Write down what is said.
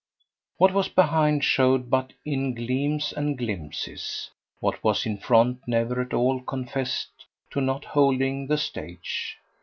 What was behind showed but in gleams and glimpses; what was in front never at all confessed to not holding the stage.